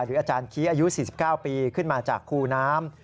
อาจารย์คี้อายุ๔๙ปีขึ้นมาจากคูน้ำ